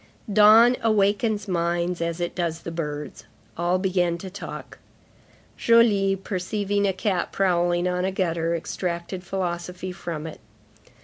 Dawn awakens minds as it does the birds; all began to talk. Joly, perceiving a cat prowling on a gutter, extracted philosophy from it.